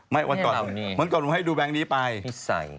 ไม่วันก่อนวันก่อนผมให้ดูแบงก์นี้ไป